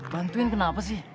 bantuin kenapa sih